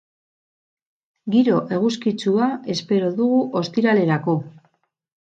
Giro eguzkitsua espero dugu ostiralerako.